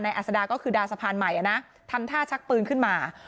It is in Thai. อัศดาก็คือดาสะพานใหม่นะทำท่าชักปืนขึ้นมา